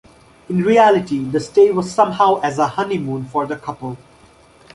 In reality, the stay was somehow as a honeymoon for the couple.